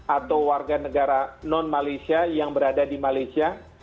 atau warga negara non malaysia yang berada di malaysia